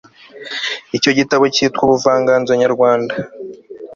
icyo gitabo cyitwa ubuvanganzo nyarwanda